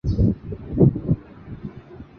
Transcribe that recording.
国际关系学院是伊朗一所高等教育学校。